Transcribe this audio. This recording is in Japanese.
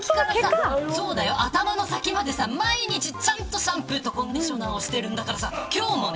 頭の先まで毎日ちゃんとシャンプーとコンディショナーをしてるんだからさ。